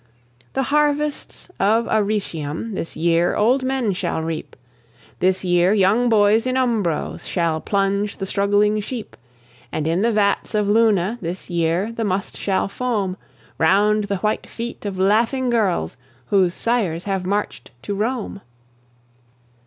The harvests of Arretium, This year, old men shall reap; This year, young boys in Umbro Shall plunge the struggling sheep; And in the vats of Luna, This year, the must shall foam Round the white feet of laughing girls Whose sires have marched to Rome.